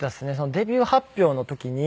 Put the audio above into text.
デビュー発表の時に。